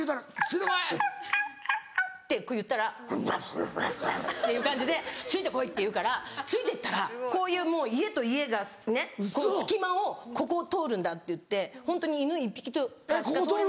「アウアウ」ってこう言ったら「バウバウ」っていう感じで「ついて来い」って言うからついて行ったらこういうもう家と家がね隙間を「ここを通るんだ」って言ってホントに犬１匹とかしか通れない。